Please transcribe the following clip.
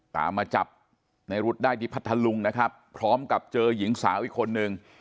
ตามมาจับในรุ๊ดได้ที่พัทธลุงนะครับพร้อมกับเจอหญิงสาวอีกคนนึง